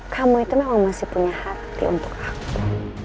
kamu itu memang masih punya hati untuk aku